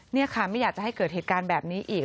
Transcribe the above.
นี่ค่ะไม่อยากจะให้เกิดเหตุการณ์แบบนี้อีก